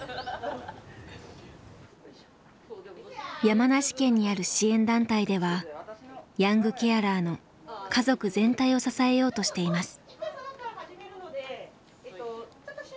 山梨県にある支援団体ではヤングケアラーの家族全体を支えようとしています。